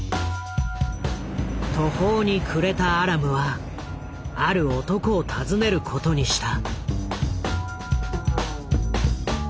途方に暮れたアラムはある男を訪ねることにした。